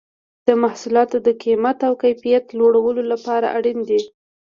د محصولاتو د کمیت او کیفیت لوړولو لپاره اړین دي.